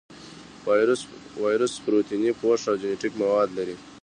وایرس پروتیني پوښ او جینیټیک مواد لري.